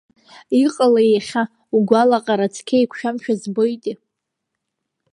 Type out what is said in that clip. Иҟалеи иахьа, угәалаҟара цқьа еиқәшәамшәа збоитеи?